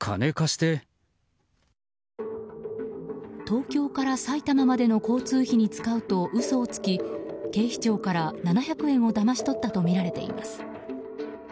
東京から埼玉までの交通費に使うと警視庁から７００円をだまし取ったとみられています。